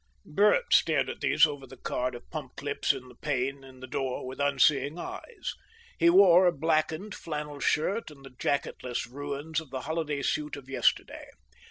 Bert stared at these over the card of pump clips in the pane in the door with unseeing eyes. He wore a blackened flannel shirt, and the jacketless ruins of the holiday suit of yesterday.